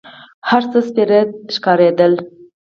هر څه سپېره ښکارېدل.